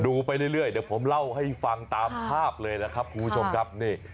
ไปเรื่อยเดี๋ยวผมเล่าให้ฟังตามภาพเลยนะครับคุณผู้ชมครับนี่